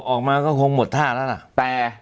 ออกมาก็คงหมดท่าแล้วล่ะ